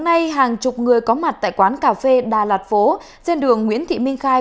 hôm nay hàng chục người có mặt tại quán cà phê đà lạt phố trên đường nguyễn thị minh khai